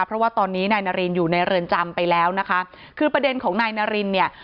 เพราะว่าตอนนี้นายนารินอยู่ในเรือนจำไปแล้วนะคะคือประเด็นของนายนารินเนี่ย